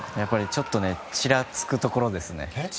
ちょっとちらつくところですね。